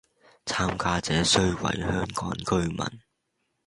參加者須為香港居民